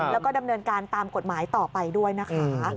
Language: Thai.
แล้วก็ดำเนินการตามกฎหมายต่อไปด้วยนะคะ